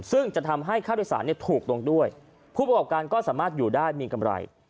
ซึ่งจะทำให้ค่าโดยสารถูกลงด้วยผู้ประกอบการก็สามารถอยู่ได้มีกำไร